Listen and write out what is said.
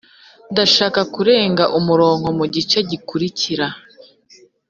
ndashaka kurenga umurongo mugice gikurikira.